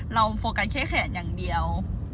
โฟกัสแค่แขนอย่างเดียว